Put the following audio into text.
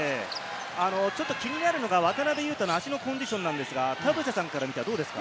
気になるのは渡邊雄太の足のコンディションですが、田臥さんから見て、どうですか？